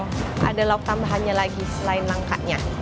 supaya ada lauk tambahannya lagi selain lengkapnya